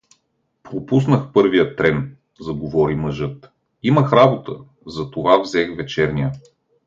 — Пропуснах първия трен — заговори мъжът, — имах работа, затова взех вечерния.